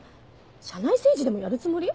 社内政治でもやるつもり？